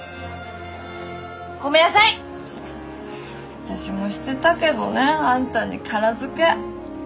私もしてたけどねあんたにキャラ付け。